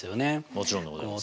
もちろんでございます。